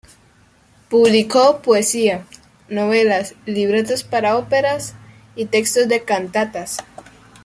Publicó poesía, novelas, libretos para óperas, y textos de cantatas.